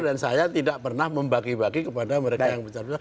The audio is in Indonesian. saya tidak pernah membagi bagi kepada mereka yang besar besar